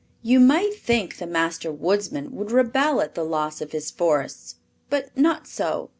You might think the Master Woodsman would rebel at the loss of his forests; but not so.